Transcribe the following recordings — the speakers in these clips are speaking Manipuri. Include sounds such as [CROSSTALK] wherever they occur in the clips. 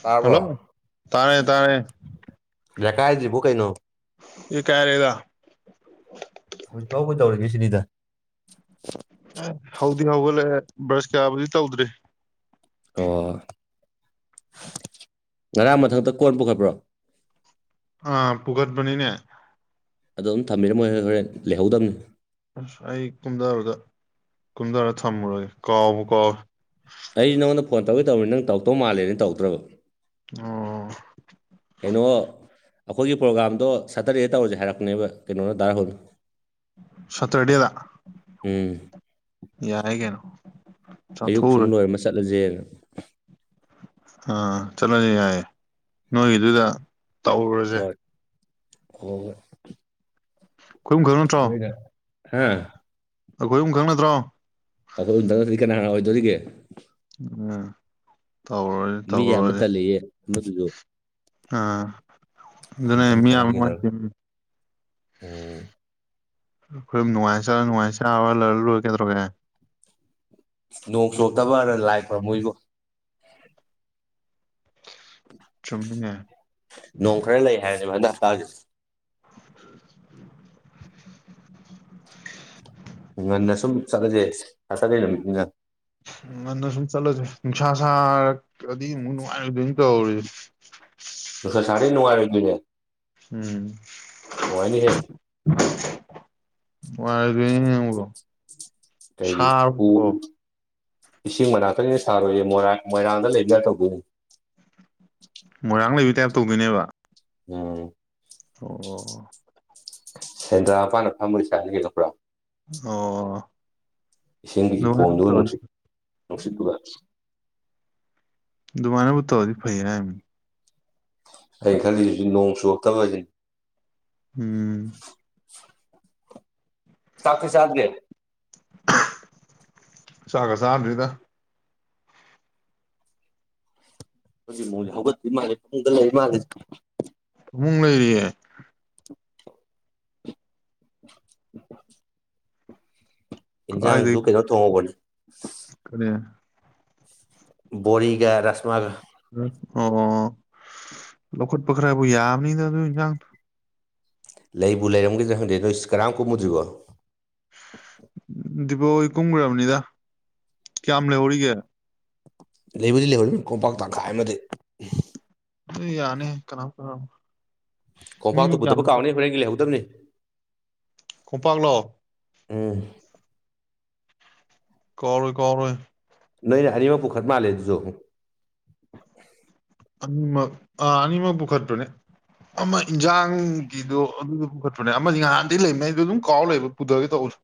ꯇꯥꯔꯕꯣ ꯍꯜꯂꯣ ꯇꯥꯔꯦ ꯇꯥꯔꯦ ꯂꯩꯀꯥꯏꯖꯤꯕꯨꯨ ꯀꯩꯅꯣ ꯌꯦ ꯀꯥꯏꯔꯤꯔꯥ ꯍꯧꯖꯤꯛꯄꯧ ꯀꯩꯗꯧꯔꯤꯒꯦ ꯁꯤꯅꯤꯗ ꯍꯧꯗꯤ ꯍꯧꯒꯠꯂꯛꯑꯦ ꯕ꯭ꯔꯁ ꯀꯌꯥꯕꯨꯗꯤ ꯇꯧꯗ꯭ꯔꯤ ꯑꯣ ꯉꯔꯥꯡ ꯃꯊꯛꯇ ꯀꯣꯟ ꯄꯨꯈꯠꯄ꯭ꯔꯣ ꯑꯥ ꯄꯨꯈꯠꯄꯅꯤꯅꯦ ꯑꯗꯣ ꯑꯗꯨꯝ ꯊꯝꯕꯤꯔꯣ ꯃꯣꯏ ꯍꯣꯏ ꯍꯣꯔꯦꯟ ꯂꯩꯍꯧꯗꯝꯅꯤ ꯑꯁ ꯑꯩ ꯀꯨꯝꯗꯕꯗ ꯀꯨꯝꯗꯔꯥ ꯊꯝꯃꯨꯔꯒꯦ ꯀꯥꯎꯕꯨ ꯀꯥꯎꯋꯦ ꯑꯩ ꯅꯉꯣꯟꯗ ꯐꯣꯟ ꯇꯧꯒꯦ ꯇꯧꯕꯅꯤ ꯅꯪ ꯇꯧꯔꯛ ꯃꯥꯜꯂꯦꯅꯦ ꯇꯧꯔꯛꯇ꯭ꯔꯕ ꯑꯣ ꯀꯩꯅꯣ ꯑꯩꯈꯣꯏꯒꯤ ꯄ꯭ꯔꯣꯒꯥꯝꯗꯣ ꯁꯇꯔꯗꯦꯗ ꯇꯧꯔꯖꯦ ꯍꯥꯏꯔꯛꯄꯅꯦꯕ ꯀꯩꯅꯣꯅ ꯗꯥ ꯔꯥꯍꯨꯜꯅ ꯁꯇꯔꯗꯦꯗ ꯎꯝ ꯌꯥꯔꯦ ꯀꯩꯅꯣ ꯑꯌꯨꯛ ꯁꯨꯝ ꯆꯥꯊꯣꯛꯎꯔ ꯂꯣꯏꯔꯝꯃ ꯆꯠꯂꯖꯦꯅ ꯑꯥ ꯆꯠꯂꯖꯦ ꯌꯥꯏꯌꯦ ꯅꯣꯏꯒꯤꯗꯨꯗ ꯇꯧꯔꯨꯔꯖꯦ ꯍꯣꯍꯣꯏ ꯑꯩꯈꯣꯏ ꯑꯍꯨꯝ ꯈꯛ ꯅꯠꯇ꯭ꯔꯣ [UNINTELLIGIBLE] ꯍꯥ ꯑꯩꯈꯣꯏ ꯑꯍꯨꯝ ꯈꯛ ꯅꯠꯇ꯭ꯔꯣ ꯑꯩꯈꯣꯏ ꯑꯍꯨꯝꯇꯪ ꯅꯠꯇ꯭ꯔꯗꯤ ꯀꯅꯥ ꯑꯣꯏꯗꯣꯏꯔꯤꯒꯦ ꯑ ꯇꯧꯔꯣꯏ ꯃꯤ ꯌꯥꯝꯕ ꯇꯧꯔꯨꯔꯖꯦ ꯇꯜꯂꯦꯌꯦ ꯑꯃꯗꯨꯁꯨ ꯑꯩꯈꯣꯏ ꯑꯥ ꯑꯗꯨ ꯑꯍꯨꯝꯇꯪ ꯆꯠꯂꯁꯤ ꯃꯤꯌꯥꯝꯃꯥ ꯀꯩꯗꯧꯔꯒꯦ [UNINTELLIGIBLE] ꯎꯝ ꯑꯩꯈꯣꯏ ꯅꯨꯡꯉꯥꯏꯆꯥꯔ ꯅꯨꯡꯉꯥꯏ ꯆꯥꯔ ꯂꯣꯏꯔ ꯂꯣꯏꯔꯦ ꯀꯩꯗꯧꯔꯒꯦ ꯅꯣꯡ ꯆꯨꯔꯛꯇꯕꯅꯥ ꯂꯥꯏ ꯈꯨꯔꯝꯃꯨ ꯏꯕꯨ ꯆꯨꯝꯃꯤꯅꯦ ꯅꯣꯡ ꯈꯔ ꯂꯩ ꯍꯥꯏꯕꯅꯦꯕ ꯍꯟꯗꯛ ꯍꯞꯇꯥꯖꯦ ꯉꯟꯅ ꯁꯨꯝ ꯆꯠꯂꯖꯦ ꯁꯇ꯭ꯔꯗꯦ ꯅꯨꯃꯤꯠꯅꯤꯅ ꯎꯝ ꯉꯟꯅ ꯁꯨꯝ ꯆꯠꯂꯖꯦ ꯅꯨꯡꯁꯥ ꯁꯥꯔꯛꯑꯗꯤ ꯑꯃꯨꯛ ꯅꯨꯡꯉꯥꯏꯔꯣꯏꯗꯣꯏꯅꯤ ꯇꯧꯔꯤ ꯅꯨꯡꯁꯥ ꯁꯥꯔꯗꯤ ꯅꯨꯡꯉꯥꯏꯔꯣꯏꯗꯣꯏꯅꯦ ꯎꯝ ꯅꯨꯡꯉꯥꯏꯅꯤꯍꯦ ꯅꯨꯡꯉꯥꯏꯔꯣꯏꯗꯨꯏꯅꯤꯅꯦ ꯅꯣꯏꯕꯣ ꯀꯩ ꯄꯨ ꯏꯁꯤꯡ ꯃꯅꯥꯛꯇꯅꯤꯅ ꯁꯥꯔꯣꯏꯌꯦ ꯃꯣꯏꯔꯥ ꯃꯣꯏꯔꯥꯡꯗ ꯂꯩꯕꯥ [UNINTELLIGIBLE] ꯇꯧꯗꯣꯏꯅꯦ ꯃꯣꯏꯔꯥꯡ ꯂꯩꯕꯤ ꯇꯥꯏꯞ ꯇꯧꯗꯣꯏꯅꯦꯕ ꯎꯝ ꯑꯣ ꯁꯦꯟꯗ꯭ꯔꯥꯄꯥꯥꯟꯅ ꯐꯝꯝꯕꯣꯏ ꯆꯥꯅꯤꯒꯂ ꯄꯨꯔꯥ ꯑꯣ ꯏꯁꯤꯡꯒꯤ ꯑꯗꯨꯃꯥꯏꯅꯕꯨ ꯐꯣꯟꯗꯨ ꯇꯧꯔꯗꯤ ꯅꯨꯡꯁꯤꯠ ꯅꯨꯡꯁꯤꯠꯇꯒ ꯑꯗꯨꯃꯥꯏꯅꯕꯨ ꯇꯧꯗꯤ ꯐꯩ ꯍꯥꯏꯅꯤ ꯑꯩꯅ ꯈꯜꯂꯤꯁꯤꯁꯨ ꯅꯣꯡ ꯆꯨꯨꯔꯞꯇꯕ ꯍꯥꯏꯕꯁꯤꯅꯤ ꯎꯝ ꯆꯥꯛꯇꯣ ꯆꯗ꯭ꯔꯤ ꯆꯥꯛꯒ ꯆꯥꯗ꯭ꯔꯤꯗ ꯍꯧꯖꯤꯛ ꯃꯁꯦ ꯍꯧꯒꯠꯇ ꯃꯥꯂꯦ ꯐꯨꯡꯗ ꯂꯩ ꯃꯥꯜꯂꯦ ꯐꯃꯨꯡ ꯂꯩꯔꯤꯌꯦ [UNINTELLIGIBLE] [UNINTELLIGIBLE] ꯌꯦꯟꯁꯥꯡꯁꯨ ꯀꯥꯏꯗꯒꯤ ꯀꯩꯅꯣ ꯊꯣꯡꯍꯧꯕꯅꯦ ꯀꯔꯤ ꯕꯣꯔꯤꯒ ꯔꯁꯃꯒ ꯑꯣ ꯂꯧꯈꯠꯄ ꯈꯔꯕꯨ ꯌꯥꯕꯅꯤꯗ ꯑꯗꯨ ꯏꯟꯁꯥꯡ ꯂꯩꯕꯨ ꯂꯩꯔꯝꯗ꯭ꯔꯥ ꯍꯪꯗꯦ ꯅꯣꯏ ꯀꯔꯝ ꯀꯨꯝꯗ꯭ꯔꯤꯕꯣ ꯗꯤꯕꯣ ꯍꯣꯏ ꯀꯨꯝꯈ꯭ꯔꯕꯅꯤꯗ ꯀꯌꯥꯝ ꯂꯩꯍꯧꯔꯤꯒꯦ ꯂꯩꯕꯨꯗꯤ ꯂꯩꯍꯧꯔꯤꯕꯅꯤ ꯈꯣꯝꯄꯥꯛ ꯇꯪꯈꯥꯏ ꯑꯃꯗꯤ ꯌꯥꯅꯤ ꯀꯅꯥ ꯀꯅꯥ ꯀꯣꯡꯝꯄꯥꯛꯇꯨ ꯄꯨꯗꯕ ꯀꯥꯎꯅꯤ ꯍꯣꯔꯦꯟꯒꯤ ꯂꯩꯍꯧꯗꯕꯅꯤ ꯈꯣꯡꯄꯥꯡꯂꯣ ꯎꯝ ꯀꯣꯏ ꯀꯔꯣꯏ ꯅꯣꯏꯅ ꯑꯅꯤꯃꯛ ꯄꯨꯈꯠ ꯃꯥꯜꯂꯦ ꯑꯗꯨꯁꯨ ꯑꯅꯤꯃꯛ ꯑ ꯑꯅꯤꯃꯛ ꯄꯨꯈꯠꯄꯅꯦ ꯑꯃ ꯏꯟꯖꯥꯡꯒꯤꯗꯣ ꯑꯗꯨꯗ ꯄꯨꯈꯠꯄꯅꯦ ꯑꯃꯗꯤ ꯅꯍꯥꯟꯗꯒꯤ ꯂꯩꯗꯣ ꯑꯗꯨꯝ ꯀꯥꯎꯔ ꯂꯩꯕ ꯄꯨꯊꯒꯦ ꯇꯧꯔꯁꯨ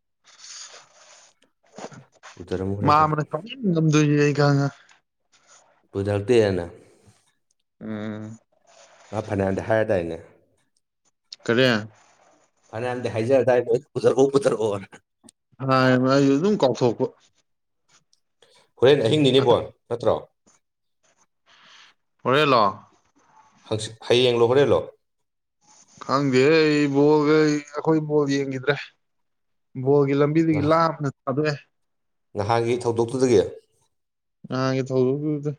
ꯄꯨꯊꯔꯝꯃꯨ ꯍꯣꯔꯦꯟ ꯈꯔ ꯃꯥꯃꯅ ꯋꯥꯎꯅꯤꯡꯉꯝꯗꯣꯏꯁꯤ ꯑꯩ ꯈꯪꯉꯦ ꯄꯨꯊꯛꯇꯦꯅ ꯎꯝ ꯃꯥ ꯐꯅ ꯌꯥꯝꯗꯤ ꯍꯥꯏꯔꯗꯥꯏꯅꯦ ꯀꯔꯤ ꯐꯅꯌꯥꯝꯝꯗꯤ ꯍꯥꯏꯖꯔꯗꯥꯏꯅꯦ ꯄꯨꯊꯔꯛꯎ ꯄꯨꯊꯔꯛꯑꯣꯅ ꯍꯥꯏ ꯑꯩꯁꯨ ꯑꯗꯨꯝ ꯀꯥꯎꯊꯣꯛꯄ ꯍꯣꯔꯦꯟ ꯑꯍꯤꯡꯅꯤꯅꯦꯕꯣ ꯅꯠꯇ꯭ꯔꯣ ꯍꯣꯔꯦ ꯂꯣ ꯍꯌꯦꯡꯂꯣ ꯍꯣꯔꯦꯟꯂꯣ ꯈꯪꯗꯦ ꯑꯩ ꯕꯣꯜ ꯑꯩꯈꯣꯏ ꯕꯣꯜ ꯌꯦꯡꯈꯤꯗ꯭ꯔꯦ ꯕꯣꯜꯒꯤ ꯂꯝꯕꯤ ꯂꯥꯞꯅ ꯊꯗꯣꯛꯑꯦ ꯅꯍꯥꯟꯒꯤ ꯊꯧꯗꯣꯛꯇꯨꯗꯒꯤ ꯅꯍꯟꯒꯤ ꯊꯧꯗꯣꯛꯗꯨꯗ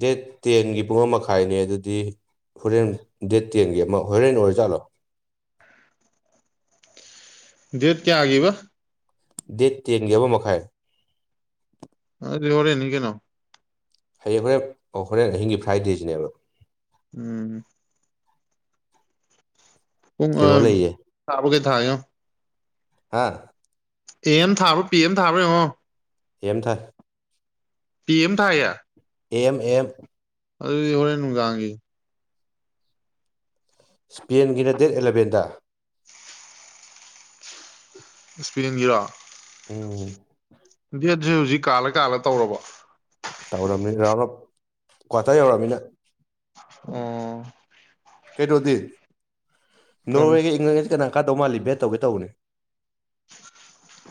ꯗꯦꯠ ꯇꯦꯟꯒꯤ ꯄꯨꯡ ꯃꯈꯥꯏꯅꯦ ꯑꯗꯨꯗꯤ ꯍꯣꯔꯦꯟ ꯗꯦꯠ ꯇꯦꯟꯒꯤ ꯑꯃ ꯍꯣꯔꯦꯟ ꯑꯣꯏꯔꯖꯥꯠꯂꯣ ꯗꯦꯠ ꯀꯌꯥ ꯑꯒꯦꯕ ꯗꯦꯠ ꯇꯦꯟꯒꯤ ꯑꯃ ꯃꯈꯥꯏ ꯑ ꯍꯣꯔꯦꯟꯅꯤ ꯀꯩꯅꯣ ꯍꯌꯦꯡ ꯍꯣꯔꯦꯟ ꯑꯣ ꯍꯣꯔꯦꯟ ꯑꯍꯤꯡꯒꯤ ꯐ꯭ꯔꯥꯏꯗꯦꯁꯤꯅꯦꯕ ꯎꯝ꯫ ꯄꯨꯡ ꯑ ꯀꯩꯅꯣ ꯂꯩꯌꯦ ꯊꯥꯕꯒꯩ ꯊꯥꯒꯦ ꯌꯦꯡꯎ ꯍꯥꯥ ꯑꯦ ꯑꯦꯝ ꯊꯥꯕꯔ ꯄꯤ ꯑꯦꯝ ꯊꯥꯕꯔ ꯌꯦꯡꯉꯣ ꯑꯦꯝ ꯊꯥꯏ ꯄꯤꯑꯦꯝ ꯊꯥꯏꯌꯦ꯫ A M A M. ꯑꯗꯨꯗꯤ ꯍꯣꯔꯦꯟ ꯅꯨꯡꯗꯥꯡꯒꯤ__ ꯁ꯭ꯄꯦꯟꯒꯤꯅ ꯗꯦꯠ ꯑꯦꯂꯕꯦꯟꯗ꯫ [INAUDIBLE] ꯏꯁ꯭ꯄꯦꯟꯒꯤꯔꯣ꯫ ꯎꯝ꯫ ꯗꯦꯠꯖꯦ ꯍꯧꯖꯤꯛ ꯀꯥꯜꯂ ꯀꯥꯜꯂ ꯇꯧꯔꯕꯣ꯫ ꯇꯧꯔꯕꯅꯤ ꯔꯥꯎꯟ ꯑꯞ ꯀ꯭ꯋꯥꯇꯔ ꯌꯧꯔꯕꯃꯤꯅ꯫ ꯑꯣ꯫ ꯀꯩꯅꯣꯗꯤ ꯀꯩꯅꯣ ꯅꯣꯔꯋꯦꯒꯤ ꯏꯪꯂꯦꯟꯒ ꯀꯅꯥ ꯀꯥꯗꯧ ꯃꯥꯜꯂꯤ ꯕꯦꯠ ꯇꯧꯒꯦ ꯇꯧꯕꯅꯤ꯫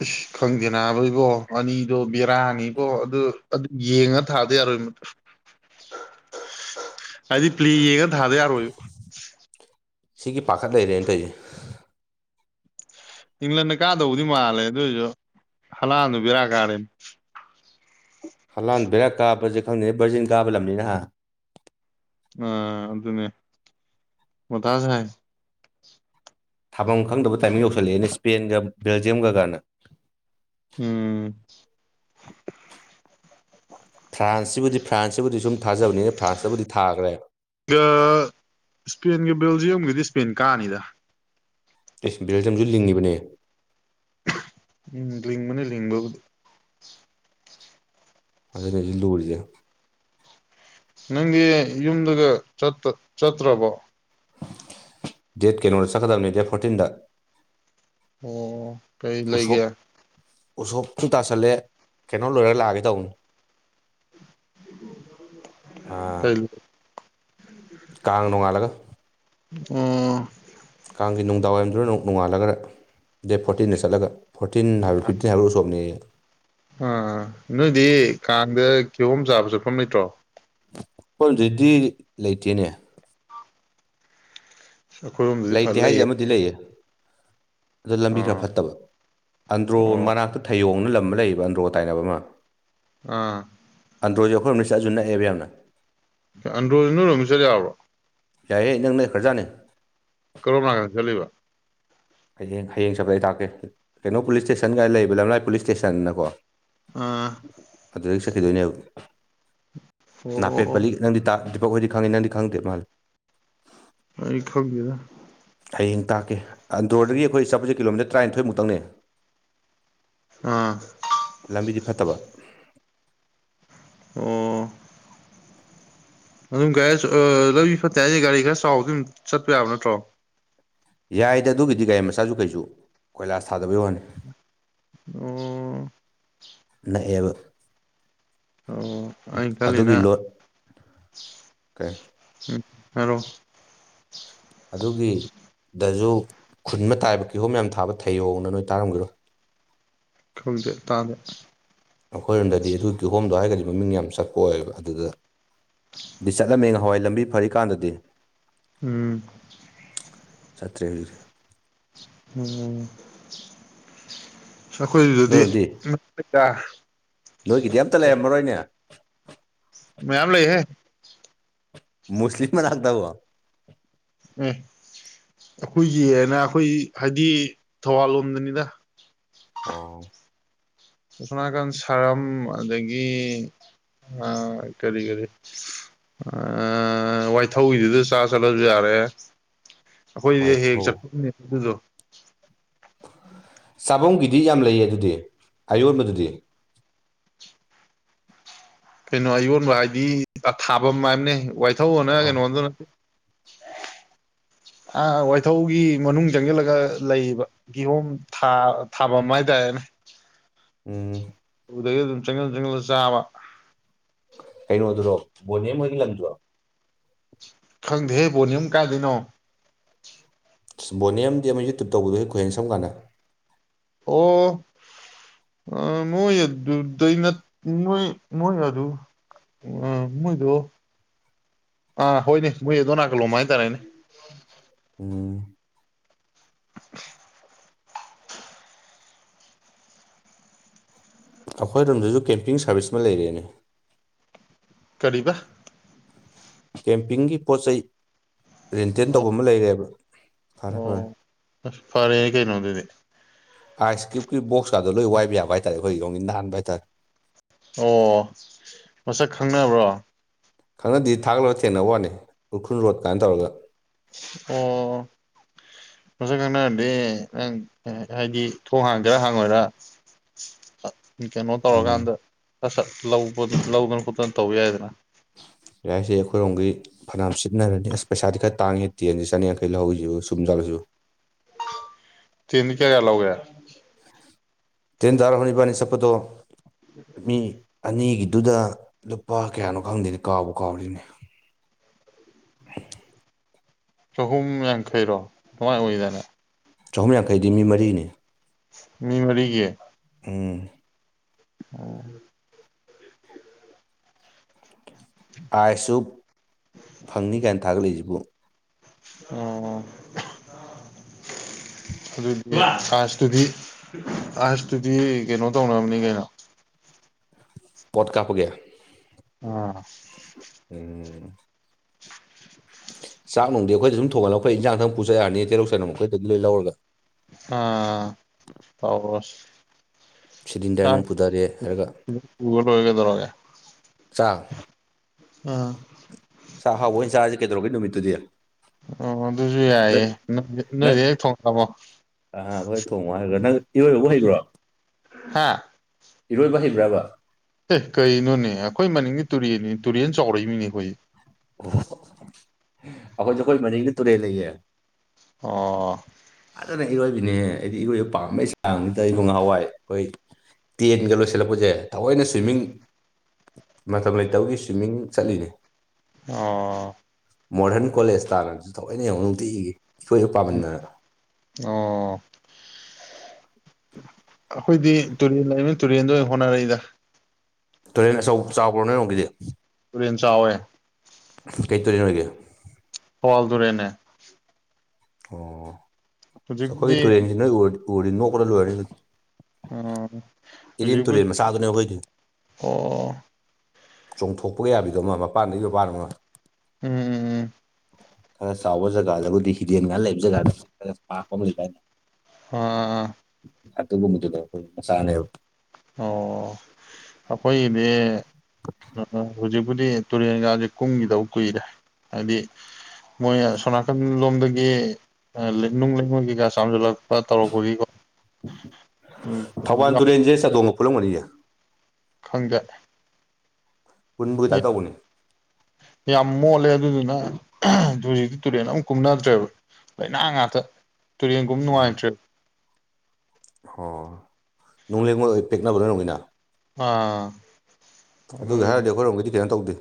ꯏꯁ ꯈꯪꯗꯦ ꯅꯥꯕ ꯏꯕꯣ ꯑꯅꯤꯗꯣ ꯕꯦꯔꯥꯅꯤꯕꯣ ꯑꯗꯨ ꯑꯗꯨ ꯌꯦꯡꯉ ꯊꯥꯗ ꯌꯥꯔꯣꯏ ꯃꯇꯨ꯫ ꯍꯥꯏꯗꯤ ꯄꯂꯦ ꯌꯦꯡꯉꯒ ꯊꯥꯗ ꯌꯥꯔꯣꯏꯕ꯫ ꯁꯤꯒꯤ ꯄꯥꯈꯠ ꯂꯩꯔꯦꯅ ꯇꯧꯔꯤꯖꯦ꯫ ꯏꯪꯂꯟꯅ ꯀꯥꯗꯧꯕꯗꯤ ꯃꯥꯜꯂꯦ ꯑꯗꯨꯏꯁꯨ ꯍꯂꯥꯟꯗꯨ ꯕꯦꯔꯥ ꯀꯥꯔꯦꯕ꯫ ꯍꯂꯥꯟ ꯕꯦꯔꯥ ꯀꯥꯕꯖꯣ ꯈꯪꯗꯦ ꯕ꯭ꯔꯖꯤꯟ ꯀꯥꯕ ꯂꯝꯅꯤꯅꯦ ꯍꯥ꯫ ꯑꯥ ꯑꯗꯨꯅꯦ ꯃꯊꯥ ꯁꯥꯏ꯫ ꯊꯥꯐꯝ ꯈꯪꯗꯕ ꯇꯥꯏꯃꯤꯡ ꯌꯧꯁꯜꯂꯛꯑꯦꯅꯦ ꯁ꯭ꯄꯦꯟꯒ ꯕꯦꯜꯖꯤꯌꯝꯒꯅ꯫ ꯎꯝ꯫ ꯐ꯭ꯔꯥꯟꯁꯁꯤꯕꯨꯗꯤ ꯐ꯭ꯔꯥꯟꯁꯁꯤꯕꯨꯗꯤ ꯁꯨꯝ ꯊꯥꯖꯕꯅꯤꯅ ꯐ꯭ꯔꯥꯟꯁꯇꯕꯨꯗꯤ ꯊꯥꯒ꯭ꯔꯦ꯫ ꯒꯑ ꯁ꯭ꯄꯦꯟꯒꯤ ꯕꯦꯜꯖꯤꯌꯝꯒꯤꯗꯤ ꯁ꯭ꯄꯦꯟ ꯀꯥꯅꯤꯗ꯫ ꯏꯁ ꯕꯦꯜꯖꯝꯖꯨ ꯂꯤꯡꯉꯤꯕꯅꯦ꯫ ꯎꯝ ꯂꯤꯡꯕꯅꯦ ꯂꯤꯡꯕꯕꯨꯗꯤ꯫ ꯑꯗꯨꯅꯤ ꯍꯖꯤꯛ ꯂꯨꯔꯤꯖꯦ꯫ ꯅꯪꯗꯤ ꯌꯨꯝꯗꯒ ꯆꯠꯇ ꯆꯠꯇ꯭ꯔꯕꯣ꯫ ꯗꯦꯠ ꯀꯩꯅꯣꯗ ꯆꯠꯀꯗꯕꯅꯤ ꯗꯦꯠ ꯐꯣꯔꯇꯤꯟꯗ꯫ ꯑꯣ꯫ ꯀꯩ ꯎꯁꯣꯞ ꯂꯩꯒꯦ ꯎꯁꯣꯞ ꯊꯨꯇꯥꯁꯜꯂꯦ ꯀꯩꯅꯣ ꯂꯣꯏꯔ ꯂꯥꯛꯑꯒꯦ ꯇꯧꯕꯅꯤ꯫ [INAUDIBLE] ꯀꯥꯡ ꯅꯣꯡꯉꯥꯜꯂꯒ꯫ ꯎꯝ꯫ ꯀꯥꯡꯒꯤ ꯅꯨꯡꯗꯥꯡꯋꯥꯏꯔꯝꯗꯨꯅꯛ ꯅꯣꯡꯉꯥꯜꯂꯒ ꯗꯦꯠ ꯐꯣꯔꯇꯤꯟꯗ ꯆꯠꯂꯒ__ ꯐꯣꯔꯇꯤꯟ ꯍꯥꯏꯕ ꯐꯤꯞꯇꯤꯟ ꯍꯥꯏꯕ꯭ꯔ ꯎꯁꯣꯞꯅꯦꯌꯦ꯫ ꯑꯥ ꯅꯣꯏꯗꯤ ꯀꯥꯡꯗ ꯀꯤꯍꯣꯝ ꯆꯥꯕ ꯆꯠꯐꯝ ꯂꯩꯇ꯭ꯔꯣ꯫ ꯈꯣꯏꯔꯣꯝꯗꯗꯤ ꯂꯩꯇꯦꯅꯦ꯫ ꯑꯩꯈꯣꯏꯔꯣꯝꯗꯗꯤ ꯐ ꯂꯩꯇꯦ ꯍꯥꯏꯖꯦ ꯑꯃꯗꯤ ꯂꯩꯌꯦ ꯑꯗꯣ ꯂꯝꯕꯤ ꯑꯥ ꯈꯔ ꯐꯠꯇꯕ꯫ ꯑꯟꯗ꯭ꯔꯣ ꯑꯣ ꯃꯅꯥꯛꯇ ꯊꯌꯣꯡꯅ ꯂꯝ ꯑꯃꯥ ꯂꯩꯌꯦꯕ ꯑꯟꯗ꯭ꯔꯣ ꯇꯥꯏꯅꯕ ꯑꯃ꯫ ꯑꯥ꯫ ꯑꯟꯗ꯭ꯔꯣꯖꯦ ꯑꯩꯈꯣꯏꯑꯣꯝꯗꯒꯤ ꯆꯑꯖꯨ ꯅꯛꯑꯦꯕ ꯌꯥꯝꯅ꯫ ꯑꯟꯗ꯭ꯔꯣꯖꯦ ꯅꯣꯏꯔꯣꯝꯗꯒꯤ ꯆꯥꯠ ꯌꯥꯕ꯭ꯔꯣ꯫ ꯌꯥꯏꯑꯦ ꯏꯅꯛ ꯅꯈ꯭ꯔꯖꯥꯅꯦ꯫ ꯀꯔꯣꯝꯅꯥꯀꯗ ꯆꯠꯂꯤꯕ꯫ ꯍꯌꯦꯡ ꯍꯌꯦꯡ ꯆꯠꯄꯗ ꯑꯩ ꯇꯥꯛꯀꯦ ꯀꯩꯅꯣ ꯄꯨꯂꯤꯁ ꯏꯁꯇꯦꯁꯟꯒꯥꯏ ꯂꯩꯕ ꯂꯝꯂꯥꯏ ꯄꯨꯂꯤꯁ ꯏꯁꯇꯦꯁꯟꯅꯀꯣ꯫ ꯑꯥ ꯑꯗꯨꯗꯒꯤ ꯆꯠꯈꯤꯗꯣꯏꯅꯦ ꯑꯣ ꯅꯥꯄꯦꯠ ꯑꯣ ꯄꯜꯂꯤ ꯅꯪꯗꯤ ꯇꯥ __ ꯑꯈꯣꯏꯗꯤ ꯈꯪꯉꯦ ꯅꯪꯗꯤ ꯈꯗꯦ ꯃꯥꯜꯂꯦ꯫ ꯑꯩ ꯈꯪꯗꯦꯗꯥ ꯍꯌꯦꯡ ꯇꯥꯛꯀꯦ ꯑꯟꯗ꯭ꯔꯣꯗꯒꯤ ꯑꯩꯈꯣꯏ ꯆꯠꯄꯁꯦ ꯀꯤꯂꯣꯃꯤꯇꯔ ꯇ꯭ꯔꯥꯏꯊꯣꯏꯃꯨꯛꯇꯪꯅꯦ ꯑꯥ ꯂꯝꯕꯤꯗꯤ ꯐꯠꯇꯕ ꯑꯣ ꯑꯗꯨꯝ ꯒꯥꯔꯤ ꯑꯥ ꯂꯝꯕꯤ ꯐꯠꯇꯦ ꯍꯥꯏꯁꯦ ꯒꯥꯔꯤ ꯈꯔ ꯆꯥꯎꯕꯗꯤ ꯑꯗꯨꯝ ꯆꯠꯄ ꯌꯥꯕ ꯅꯠꯇ꯭ꯔꯣ ꯌꯥꯏꯗ ꯑꯗꯨꯒꯤꯗꯤ ꯒꯥꯔꯤ ꯃꯆꯥꯁꯨ ꯀꯩꯁꯨ ꯀꯣꯏꯂꯥꯁ ꯊꯥꯗꯕꯩ ꯋꯥꯅꯤ ꯑꯣ ꯅꯛꯑꯦꯕꯥ ꯑꯣ ꯑꯩ ꯑꯗꯨꯒꯤ ꯈꯜꯂꯤꯅ ꯂꯣꯠ ꯀꯩ ꯎꯝ ꯍꯥꯏꯔꯣ ꯑꯗꯨꯒꯤ ꯗꯖꯨ ꯈꯨꯟꯃꯥ ꯇꯥꯏꯕ ꯀꯤꯍꯣꯝ ꯌꯥꯝ ꯊꯥꯕ ꯊꯩꯌꯣꯅ ꯅꯣꯏ ꯇꯥꯔꯝꯈꯤꯔꯣꯏ ꯈꯪꯗꯦ ꯇꯥꯗꯦ ꯑꯩꯈꯣꯏꯔꯣꯝꯗꯗꯤ ꯑꯗꯨꯒꯤ ꯍꯣꯝꯗꯣ ꯍꯥꯏꯔꯒꯗꯤ ꯃꯃꯤꯡ ꯌꯥꯝ ꯆꯠꯄ ꯑꯣꯏꯕ ꯑꯗꯨꯗ ꯗꯤ ꯆꯠꯂꯝꯃꯦ ꯉꯍꯥꯟꯋꯥꯏ ꯂꯝꯕꯤ ꯐꯔꯤꯀꯥꯟꯗꯗꯤ ꯎꯝ ꯆꯠꯇ꯭ꯔꯦ ꯍꯧꯖꯤꯛ ꯎꯝ ꯑꯁ ꯑꯩꯈꯣꯏ ꯑꯗꯨꯗꯤ ꯅꯣꯏꯔꯣꯝꯗꯤ [UNINTELLIGIBLE] ꯅꯣꯏꯒꯤꯗꯤ ꯑꯝꯇ ꯂꯩꯔꯝꯃꯔꯣꯏꯅꯦ ꯃꯌꯥꯝ ꯂꯩꯍꯦ ꯃꯨꯁꯂꯤꯝ ꯃꯅꯥꯛꯇꯕꯣ ꯑꯩꯈꯣꯏꯒꯤꯅ ꯑꯩꯈꯣꯏ ꯍꯥꯏꯗꯤ ꯊꯧꯕꯥꯜ ꯂꯣꯝꯗꯅꯤꯗ ꯑꯣ ꯁꯣꯝ ꯅꯥꯀꯟ ꯁꯔꯝ ꯑꯗꯒꯤ ꯑꯥ ꯀꯔꯤ ꯀꯔꯤ ꯑꯥ ꯋꯥꯏꯊꯧꯒꯤꯗꯨꯗ ꯆꯥ ꯆꯠꯂꯁꯨ ꯌꯥꯔꯦ ꯑꯩꯈꯣꯏꯗꯤ ꯍꯦꯛ ꯋꯥꯏꯊꯧ ꯆꯠꯐꯝꯅꯦ ꯑꯗꯨꯗꯣ ꯆꯥꯕꯝꯒꯤꯗꯤ ꯌꯥꯝ ꯂꯩꯌꯦ ꯑꯗꯨꯗꯤ ꯑꯌꯣꯟꯕꯗꯨꯗꯤ ꯀꯩꯅꯣ ꯑꯌꯣꯟꯕ ꯍꯥꯏꯗꯤ ꯊꯥꯕꯝ ꯍꯥꯏꯝꯅꯦ ꯋꯥꯏꯊꯧꯑꯅ ꯑ ꯀꯩꯅꯣꯗꯨꯅ ꯑ ꯋꯥꯏꯊꯧꯒꯤ ꯃꯅꯨꯡ ꯆꯪꯁꯤꯜꯂꯒ ꯂꯩꯌꯦꯕ ꯀꯤꯍꯣꯝ ꯊꯥ ꯊꯥꯕꯝ ꯍꯥꯏꯇꯥꯔꯦꯅꯦ ꯎꯝ ꯗꯨꯗꯒꯤ ꯑꯗꯨꯝ ꯆꯪꯖꯜ ꯆꯪꯖꯜꯂꯥ ꯆꯥꯕ ꯀꯩꯅꯣꯗꯨꯔꯣ ꯕꯣꯅꯦ ꯃꯣꯏꯒꯤ ꯂꯝꯗꯨꯔꯣ ꯈꯪꯗꯦꯍꯦ ꯕꯣꯂ꯭ꯌꯨꯝ ꯀꯥꯏꯗꯩꯅꯣ ꯕꯣꯅꯤꯑꯦꯝ ꯑꯃꯗꯤ ꯑꯃꯥ ꯌꯨꯇꯨꯞ ꯇꯧꯕꯗꯣꯍꯦ ꯀꯣꯍꯦꯟ ꯁꯝ ꯀꯥꯅ ꯑꯣ ꯑꯥ ꯃꯣꯏ ꯑꯗꯨꯗꯤ ꯅꯠ ꯃꯣꯏ ꯃꯣꯏ ꯑꯗꯨ ꯑꯥ ꯃꯣꯏꯗꯣ ꯑꯥ ꯍꯣꯏꯅꯦ ꯃꯣꯏ ꯑꯗꯣ ꯅꯥꯀꯜꯂꯣꯝ ꯍꯥꯏꯇꯥꯔꯦꯅꯦ ꯑꯣ [UNINTELLIGIBLE] ꯑꯩꯈꯣꯏꯔꯣꯝꯗꯁꯨ ꯀꯦꯝꯄꯤꯡ ꯁꯥꯔꯚꯤꯁ ꯑꯃ ꯂꯩꯔꯦꯅꯦ ꯀꯔꯤꯕꯥ ꯀꯦꯝꯄꯤꯡꯒꯤ ꯄꯣꯠ ꯆꯩꯩ ꯔꯦꯟꯇꯦꯟ ꯑꯣ ꯇꯧꯕꯃꯥ ꯂꯩꯔꯦꯕ ꯐꯔꯦ ꯐꯔꯦ ꯑꯣ ꯑꯁ ꯐꯔꯦꯅꯦ ꯀꯩꯅꯣ ꯑꯗꯨꯗꯤ ꯑꯥꯏꯁ ꯀ꯭ꯌꯨꯀꯤ ꯕꯣꯛꯁ ꯀꯗꯣ ꯂꯣꯏ ꯋꯥꯏ ꯌꯥꯕ ꯍꯥꯏꯇꯦꯔꯦ ꯑꯩꯈꯣꯏ ꯔꯣꯟꯒꯤ ꯅꯥꯟꯕ ꯍꯥꯏꯇꯥꯔꯦ ꯑꯣ ꯃꯁꯛ ꯈꯪꯅꯕ꯭ꯔꯣ ꯈꯪꯅꯗꯦ ꯊꯥꯒꯠꯂꯒ ꯊꯦꯡꯅꯕ ꯋꯥꯅꯤ ꯎꯈ꯭ꯔꯨꯜ ꯔꯣꯠ ꯀꯥꯏꯅ ꯇꯧꯔꯒ ꯑꯣ ꯃꯁꯛ ꯈꯪꯅꯔꯗꯤ ꯅꯪ ꯍꯥꯏꯗꯤ ꯊꯣꯡ ꯍꯥꯡꯒꯦꯔꯥ ꯍꯥꯡꯉꯣꯏꯔꯥ ꯀꯩꯅꯣ ꯎꯝ ꯇꯧꯔꯀꯥꯟꯗ ꯁꯠ ꯁꯠ ꯂꯧ ꯈꯣꯠꯇꯅꯥ ꯂꯧꯗꯅ ꯈꯣꯠꯇꯅ ꯇꯧ ꯌꯥꯏꯗꯅ ꯌꯥꯏꯁꯦ ꯑꯩꯈꯣꯏꯔꯣꯝꯒꯤ ꯐꯅꯌꯥꯝ ꯁꯤꯖꯤꯟꯅꯔꯅꯤ ꯑꯁ ꯄꯩꯁꯥꯗꯤ ꯈꯔ ꯇꯥꯡꯉꯦ ꯇꯦꯟꯁꯦ ꯆꯥꯅꯤꯌꯥꯡꯈꯩ ꯂꯧꯍꯧꯔꯤꯖꯤꯕꯨ ꯆꯨꯝ ꯖꯤꯠꯂꫭ ꯁꯤꯕꯨ ꯇꯤꯟ ꯀꯌꯥ ꯀꯌꯥ ꯂꯧꯒꯦ ꯇꯤꯟꯗꯔ ꯏꯕꯥꯏꯅꯤ ꯆꯠꯄꯗꫭ ꯃꯤ ꯑꯅꯤꯒꯤꯗꯨꯗ ꯂꯨꯄꯥ ꯀꯌꯥꯅꯣ ꯈꯪꯗꯦꯅꯤ ꯀꯥꯎꯕ ꯀꯥꯎꯔꯦꯅꯦ ꯆꯍꯨꯝ ꯌꯥꯡꯈꯩꯔꯣ ꯑꯗꯨꯃꯥꯏꯏ ꯑꯣꯏꯒꯤꯗꯥꯏꯅꯦ ꯆꯍꯨꯝ ꯌꯥꯡꯈꯩꯗꯤ ꯃꯤ ꯃꯔꯤꯅꯦ ꯃꯤ ꯃꯔꯤꯒꯤ ꯎꯝ ꯑꯣ ꯑꯥꯏꯁꯁꯨ ꯐꯪꯅꯤ ꯀꯥꯏꯅ ꯊꯥꯒꯠꯂꯛꯏꯁꯤꯕꯨ ꯑꯣ ꯑꯗꯨꯗꯤ ꯁꯥꯏꯁꯇꯨꯗꯤ ꯑꯁꯥꯏꯁꯇꯨꯗꯤ ꯀꯩꯅꯣ ꯇꯧꯅꯅꯕꯅꯤ ꯀꯩꯅꯣ ꯄꯣꯠ ꯀꯥꯞꯄꯒꯤ ꯑꯥ ꯎꯝ ꯆꯥꯛꯅꯨꯡꯗꯤ ꯑꯩꯈꯣꯏꯗ ꯗꯨꯝ ꯊꯣꯡꯍꯜꯂꯛ ꯑꯈꯣꯏ ꯏꯟꯖꯥꯡ ꯄꯨꯖ ꯌꯥꯔꯅꯤ ꯇꯦꯔꯧ ꯆꯅꯝ ꯑꯈꯣꯏꯗꯒꯤ ꯂꯣꯏ ꯂꯧꯔꯒ ꯑꯥ ꯇꯧꯔꯨꯔꯁ ꯁꯤꯂꯤꯟꯗꯔ ꯆꯥꯛ ꯅꯨꯡ ꯄꯨꯊꯔꯦ ꯍꯥꯏꯔꯒ ꯁꯤꯗꯩ ꯄꯨꯔꯥ ꯂꯣꯏꯔꯦ ꯀꯩꯗꯧꯔꯒꯦ ꯆꯥꯛ ꯑ ꯁꯥ ꯍꯥꯎꯕ ꯑꯣꯏꯅ ꯆꯥꯔꯁꯦ ꯀꯩꯗꯧꯒꯦ ꯅꯨꯃꯤꯠꯇꯨꯗꯤ ꯑꯣ ꯑꯗꯨꯁꯨ ꯅꯪ ꯌꯥꯏꯑꯦ ꯅꯣꯏ ꯅꯣꯏꯗ ꯍꯦꯛ ꯊꯣꯉꯛꯑꯃꯣ ꯑ ꯍꯣꯏ ꯊꯣꯡꯉꯨ ꯍꯥꯏꯈ꯭ꯔꯣ ꯅꯪ ꯏꯔꯣꯏꯕꯕꯨ ꯍꯩꯕ꯭ꯔꯣ ꯍꯥꯥ ꯏꯔꯣꯏꯕ ꯍꯩꯕ꯭ꯔꯕ ꯑꯦ ꯀꯩꯅꯣꯅꯦ ꯑꯩꯈꯣꯏ ꯃꯅꯤꯡꯗꯤ ꯇꯨꯔꯦꯜꯅꯤ ꯇꯨꯔꯦꯟ ꯆꯥꯎꯔꯛꯏꯃꯤꯅꯦ ꯑꯩꯈꯣꯏ ꯑꯩꯈꯣꯏꯁꯨ ꯈꯣꯏ ꯃꯅꯤꯡꯗ ꯇꯨꯔꯦꯟ ꯂꯩꯌꯦ ꯑꯣ ꯐꯖꯅ ꯏꯔꯣꯏꯕꯤꯅꯦ ꯑꯩꯗꯤ ꯏꯔꯣꯏꯕ ꯄꯥꯝꯕꯩ ꯆꯥꯡꯁꯤꯗ ꯏꯕꯨꯨꯡ ꯍꯥꯟꯋꯥꯏ ꯑꯩꯈꯣꯏ ꯇꯦꯟꯒ ꯂꯣꯏꯁꯤꯜꯂꯛꯄꯁꯦ ꯊꯑꯣꯏꯅ ꯁꯨꯏꯃꯤꯡ ꯃꯇꯝ ꯂꯩꯇꯕꯒꯤ ꯁꯨꯏꯃꯤꯡ ꯆꯠꯂꯤꯅꯤ ꯑꯣ ꯃꯣꯗꯔꯟ ꯀꯣꯂꯦꯖ ꯇꯥꯟꯅ ꯊꯑꯣꯏꯅ ꯌꯦꯡꯉꯣ ꯅꯨꯡꯇꯤ ꯏꯈꯣꯏꯕ ꯄꯥꯃꯟꯗꯅ ꯑꯣ ꯑꯩꯈꯣꯏꯗꯤ ꯇꯨꯔꯦꯟ ꯂꯩꯅꯤꯅ ꯇꯨꯔꯦꯟꯗ ꯑꯣꯏꯅ ꯍꯣꯠꯅꯔꯛꯏꯗ ꯇꯨꯔꯦꯟ ꯑꯆꯧ ꯆꯥꯎꯕ꯭ꯔꯣ ꯅꯣꯏꯔꯣꯝꯒꯤꯗꯤ ꯇꯨꯔꯦꯟ ꯆꯥꯎꯋꯦ ꯀꯩ ꯇꯣꯔꯦꯟ ꯑꯣꯏꯒꯦ ꯄꯣꯜ ꯇꯨꯔꯦꯜꯅꯦ ꯑꯣ ꯍꯧꯖꯤꯛꯄꯨꯗꯤ ꯑꯩꯈꯣꯏꯒꯤ ꯇꯨꯔꯦꯟꯁꯤ ꯅꯣꯏ ꯎꯔꯗꯤ ꯅꯣꯛꯄꯗ ꯂꯣꯏꯔꯅꯤꯗ ꯑꯣ ꯍꯧꯖꯤꯛꯕꯨ ꯇꯨꯔꯦꯟ ꯃꯆꯥꯗꯨꯅꯦ ꯑꯩꯈꯣꯏꯗꯤ ꯑꯣ ꯆꯣꯡꯊꯣꯛꯄꯤꯒ ꯌꯥꯕꯤꯗꯨꯅꯦ ꯃꯄꯥꯟꯗꯒꯤ ꯃꯄꯥꯟ ꯑꯃ ꯎꯝ ꯎꯝ ꯈꯔ ꯆꯥꯎꯕ ꯖꯒꯥꯗꯕꯨꯗꯤ ꯍꯤꯗꯦꯟꯒꯥꯏꯅ ꯂꯩꯕ ꯖꯒꯥꯗ ꯈꯔ ꯄꯥꯛꯄ ꯃ ꯂꯩꯗꯥꯏꯅꯦ ꯑꯣ ꯑꯗꯨꯒꯨꯝꯕꯗꯨꯅꯦ ꯑꯩꯈꯣꯏ ꯃꯆꯥꯅꯦꯕ ꯑꯣ ꯑꯩꯈꯣꯏꯒꯤꯗꯤ ꯍꯧꯖꯤꯛꯄꯨꯗꯤ ꯇꯨꯔꯦꯟꯒꯥꯖꯦ ꯀꯨꯝꯈꯤꯗꯕ ꯀꯨꯏꯔꯦ ꯍꯥꯏꯗꯤ ꯃꯣꯏꯅ ꯑꯁꯣꯝꯅꯥꯀꯟ ꯂꯣꯝꯗꯒꯤ ꯅꯨꯡ ꯂꯩꯉꯣꯏꯀꯩꯀꯥ ꯆꯥꯝꯖꯜꯂꯛꯄ ꯇꯧꯔꯛꯄꯒꯤ ꯊꯧꯕꯥꯜ ꯌꯥꯝ ꯇꯨꯔꯦꯟꯖ‌ꯦ ꯆꯥꯗꯣꯡꯒ ꯄꯨꯜꯂꯝ ꯒꯅꯤꯅ‌ꯦ ꯈꯪꯗꯦ ꯄꯨꯟꯕꯨꯒꯤ ꯇꯥꯏꯞ ꯇꯧꯕꯅꯤ ꯌꯥꯝ ꯃꯣꯠꯂꯦ ꯑꯗꯨꯗꯨꯅ ꯍꯧꯖꯤꯛꯇꯤ ꯇꯨꯔꯦꯟ ꯑꯃꯛ ꯀꯨꯝꯅꯗ꯭ꯔꯦꯕ ꯂꯩꯅꯥꯡ ꯉꯥꯛꯇ ꯇꯨꯔꯦꯟꯀꯨꯝ ꯎꯝ ꯅꯨꯡꯉꯥꯏꯇ꯭ꯔꯦ ꯑꯣ ꯅꯨꯡ ꯂꯩꯉ‌ꯣꯏ ꯑ‌ꯣꯏ ꯄꯦꯛꯅꯕ ꯅ‌ꯣꯏꯔ‌ꯣꯝꯒꯤꯅ ꯑꯥ ꯑꯗꯨꯒꯤ ꯑꯗꯨ ꯍꯥꯏꯔꯗꯤ ꯑꯩꯈꯣꯏꯔꯣꯝꯒꯤꯗꯤ ꯀꯩꯅꯣ ꯇꯧꯗꯦ